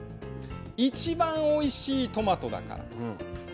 一番おいしいトマトだから。